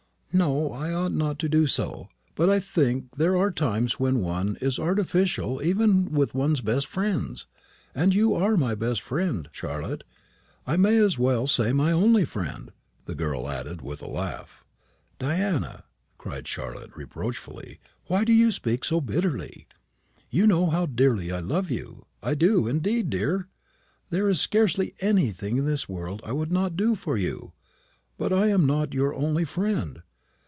"No, I ought not to do so. But I think there are times when one is artificial even with one's best friends. And you are my best friend, Charlotte. I may as well say my only friend," the girl added, with a laugh. "Diana," cried Charlotte, reproachfully, "why do you speak so bitterly? You know how dearly I love you. I do, indeed, dear. There is scarcely anything in this world I would not do for you. But I am not your only friend.